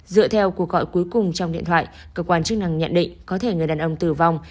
dựa theo cuộc gọi cuối cùng trong điện thoại cơ quan chức năng nhận định có thể người đàn ông tử vong